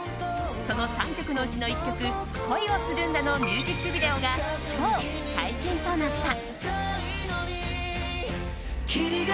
その３曲のうちの１曲「恋をするんだ」のミュージックビデオが今日、解禁となった。